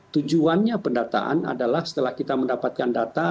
tujuannya pendataan adalah setelah kita mendapatkan data